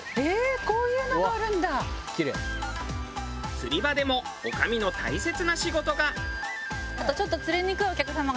釣り場でも女将の大切な仕事が。